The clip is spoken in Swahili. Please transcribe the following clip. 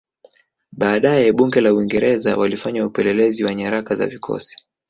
Baadae Bunge la Uingereza walifanya upelelezi wa nyaraka za vikosi